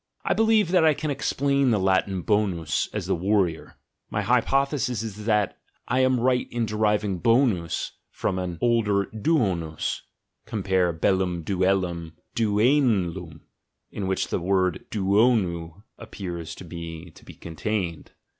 I believe that I can explain the Latin bonus as the "war rior": my hypothesis is that I am right in deriving bonus from an older duonus (compare beUum duellum = duen lum, in which the word duonus appears to me to be contained).